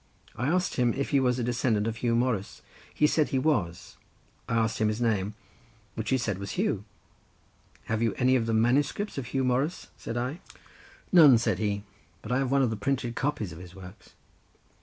I asked him if he was a descendant of Huw Morus; he said he was; I asked him his name, which he said was Huw —. "Have you any of the manuscripts of Huw Morus?" said I. "None," said he; "but I have one of the printed copies of his works."